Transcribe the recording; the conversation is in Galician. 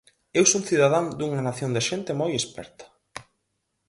Eu son cidadán dunha nación de xente moi esperta.